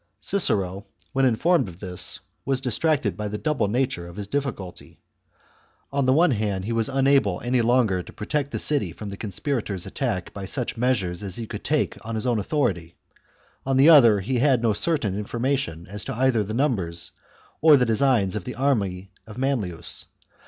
CHAP. Cicero, when informed of this, was distracted by the double nature of his difficulty. On the one hand, he was unable any longer to protect the city from the conspirators' attack by such measures as he could take on his own authority ; on the other, he had no certain information as to either the numbers or the designs of the army of Manlius.